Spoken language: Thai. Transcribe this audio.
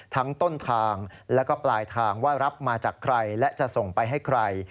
ทั้งต้นทางแล้วก็ปลายทางว่ารับมาจากใครและจะส่งไปให้ใคร